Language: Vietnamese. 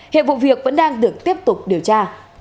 hiện vụ việc vẫn đang được tiếp tục điều tra